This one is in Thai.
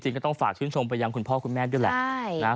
ก็ต้องฝากชื่นชมไปยังคุณพ่อคุณแม่ด้วยแหละ